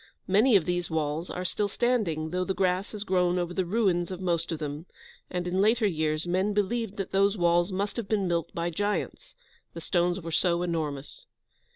Many of these walls are still standing, though the grass has grown over the ruins of most of them, and in later years, men believed that those walls must have been built by giants, the stones are so enormous.